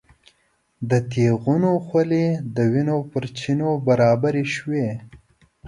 د تیغونو خولې د وینو پر چینو برابرې شوې.